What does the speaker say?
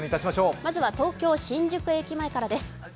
まずは東京・新宿駅前からです。